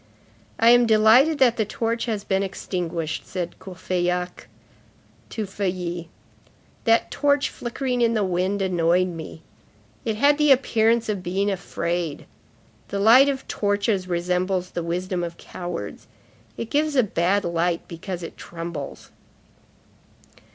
"I am delighted that the torch has been extinguished," said Courfeyrac to Feuilly. "That torch flickering in the wind annoyed me. It had the appearance of being afraid. The light of torches resembles the wisdom of cowards; it gives a bad light because it trembles."